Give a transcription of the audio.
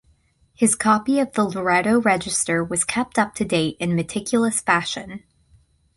His copy of the Loretto Register was kept up to date in meticulous fashion.